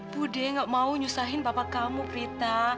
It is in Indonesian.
budi tidak mau menyusahkan pak dekmu prita